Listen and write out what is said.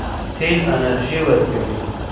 تیل انرژي ورکوي.